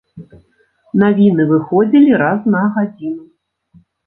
Навіны выходзілі раз на гадзіну.